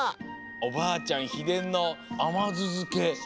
おばあちゃんひでんのあまずづけ。